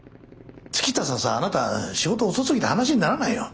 月下さんさあなた仕事遅すぎて話にならないよ。